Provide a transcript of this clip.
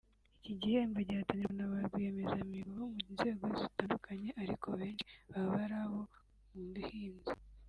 Iki gihembo gihatanirwa na ba rwiyemezamirimo bo mu nzego zitandukanye ariko abenshi baba ari abo mu buhinzi